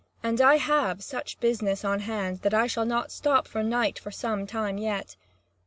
And I have such business on hand that I shall not stop for the night for some time yet."